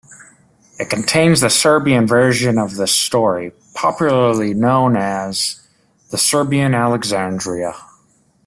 It contains the Serbian version of the story, popularly known as the "Serbian Alexandria".